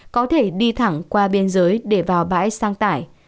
có thể đi thẳng qua biên giới để vào bãi sang tải